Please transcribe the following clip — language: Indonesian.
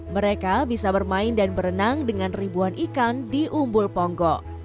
mereka bisa bermain dan berenang dengan ribuan ikan di umbul ponggo